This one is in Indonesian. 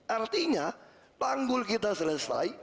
artinya panggul kita selesai